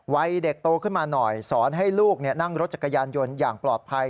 วัยเด็กโตขึ้นมาหน่อยสอนให้ลูกนั่งรถจักรยานยนต์อย่างปลอดภัย